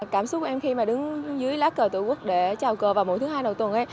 cảm xúc em khi đứng dưới lá cờ tổ quốc để chào cờ vào mùa thứ hai đầu tuần